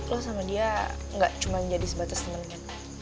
lo sama dia gak cuma jadi sebatas temen kan